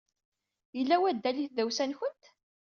Yelha waddal i tdawsa-nwent.